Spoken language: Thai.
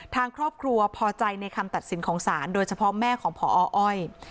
ทางครอบครัวพอใจในคำตัดสินของศาลโดยเฉพาะแม่ของพออ้อย